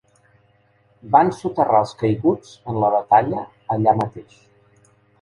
Van soterrar els caiguts en la batalla allà mateix.